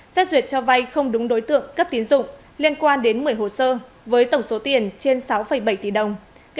xét duyệt cho vay không đúng đối tượng cấp tiến dụng liên quan đến một mươi hồ sơ với tổng số tiền trên sáu bảy tỷ đồng